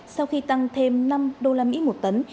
sau khi tăng thêm năm usd một tấn